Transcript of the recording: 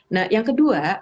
nah yang kedua